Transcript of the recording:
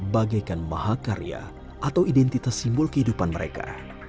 bagaikan mahakarya atau identitas simbol kehidupan mereka